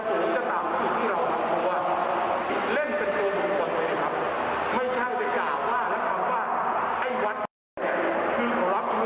ทั้งทางหน้าที่ที่เป็นประโยชน์แต่ของคนก็ดีแล้วมากับปริมณาบุญด้วย